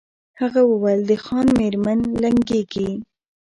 هغه وویل د خان مېرمن لنګیږي